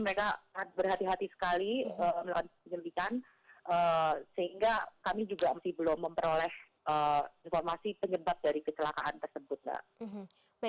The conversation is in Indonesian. sehingga kami juga masih belum memperoleh informasi penyebab dari kecelakaan tersebut mbak